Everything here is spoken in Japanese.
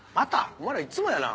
お前らいっつもやな。